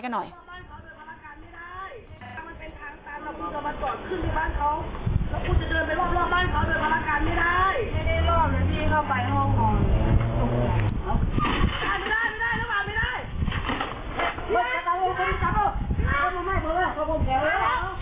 กับคุณ